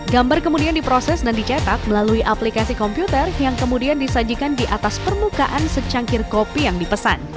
gambar kemudian diproses dan dicetak melalui aplikasi komputer yang kemudian disajikan di atas permukaan secangkir kopi yang dipesan